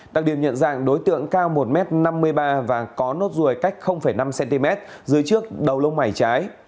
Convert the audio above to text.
đặc điểm nhận dạng đối tượng cao một m năm mươi ba và có nốt ruồi cách năm cm dưới trước đầu lông mày trái